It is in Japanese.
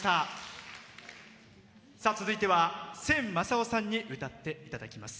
続いては千昌夫さんに歌っていただきます。